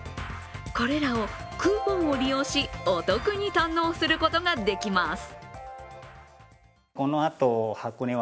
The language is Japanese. これらをクーポンを利用しお得に堪能することができます。